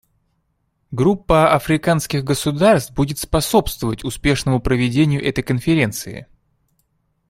Группа африканских государств будет способствовать успешному проведению этой конференции.